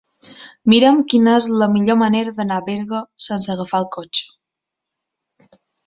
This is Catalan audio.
Mira'm quina és la millor manera d'anar a Berga sense agafar el cotxe.